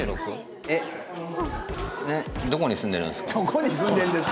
「どこに住んでるんですか？」。